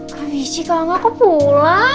kak wisi kalau enggak aku pulang